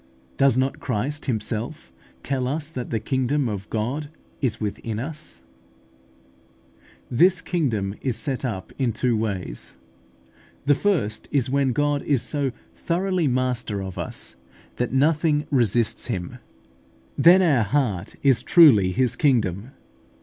Does not Christ Himself tell us that the kingdom of God is within us? (Luke xvii. 21). This kingdom is set up in two ways. The first is, when God is so thoroughly master of us that nothing resists Him: then our heart is truly His kingdom.